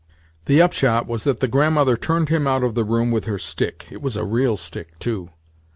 The upshot was that the Grandmother turned him out of the room with her stick (it was a real stick, too!).